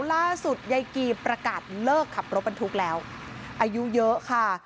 ล่าสุดยายกีประกาศเลิกขับรถบรรทุกแล้วอายุเยอะค่ะ